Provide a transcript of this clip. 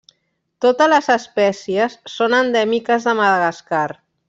Totes les espècies són endèmiques de Madagascar.